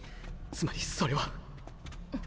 つまりそれは。